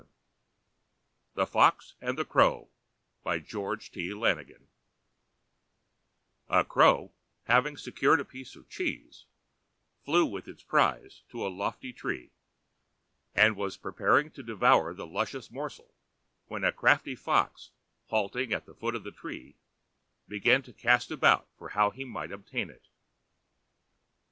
LANIGAN THE FOX AND THE CROW A crow, having secured a Piece of Cheese, flew with its Prize to a lofty Tree, and was preparing to devour the Luscious Morsel, when a crafty Fox, halting at the foot of the Tree, began to cast about how he might obtain it.